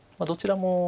どちらも。